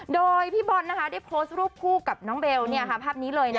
โดยพี่บอลนะคะได้โพสต์รูปคู่กับน้องเบลเนี่ยค่ะภาพนี้เลยนะ